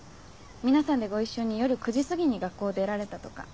皆さんでご一緒に夜９時すぎに学校を出られたとか。